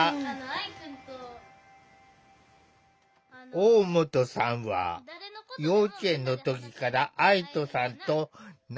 大本さんは幼稚園の時から愛土さんと仲よし。